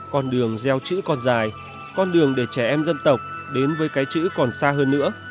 con đường gieo chữ còn dài con đường để trẻ em dân tộc đến với cái chữ còn xa hơn nữa